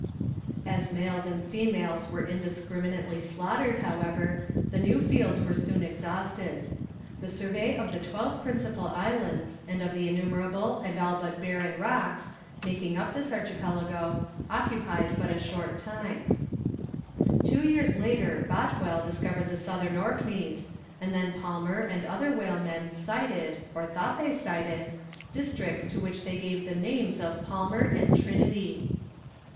As males and females were indiscriminately slaughtered, however, the new fields were soon exhausted. The survey of the twelve principal islands, and of the innumerable and all but barren rocks, making up this archipelago, occupied but a short time. [Illustration: Hunting sea elephants.] Two years later Botwell discovered the Southern Orkneys, and then Palmer and other whalemen sighted, or thought they sighted, districts to which they gave the names of Palmer and Trinity.